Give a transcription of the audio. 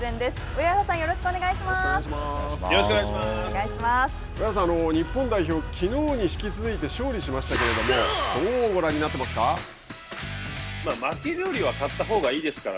上原さん、日本代表きのうに引き続いて勝利しましたけれどもどうご覧になっていますか。